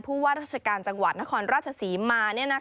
ว่าราชการจังหวัดนครราชศรีมา